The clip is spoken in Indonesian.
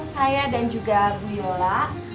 saya dan juga bu yola